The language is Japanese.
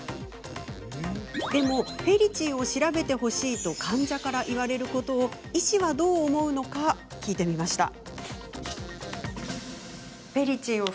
でもフェリチンを調べてほしいと患者から言われることを医師はどう思うのか聞いてみました。